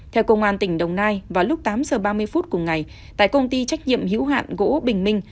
theo công an tỉnh đồng nai vào lúc tám giờ ba mươi phút cùng ngày tại công ty trách nhiệm hữu hạn gỗ bình minh